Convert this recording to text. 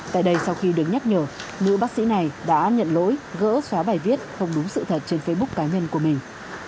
tại đây sau khi được nhắc nhở nữ bác sĩ này đã nhận lỗi gỡ xóa bài viết không đúng sự thật trên facebook cá nhân của mình